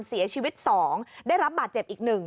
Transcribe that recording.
เสียชีวิต๒ได้รับบาดเจ็บอีก๑